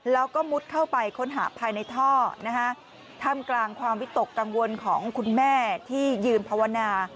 แล้วก็มุดเข้าไปค้นหาภายในท่อนะฮะท่ามกลางความวิตกกังวลของคุณแม่ที่ยืนภาวนา